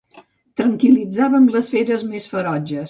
Tranquil·litzàvem les feres més ferotges.